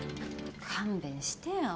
勘弁してよ。